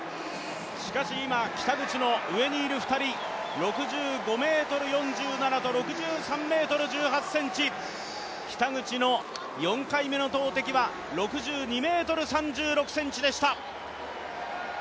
しかし今、北口の上にいる２人、６５ｍ４７と６ｍ１８ｃｍ北口の４回目の投てきは６２ｍ３６ｃｍでした。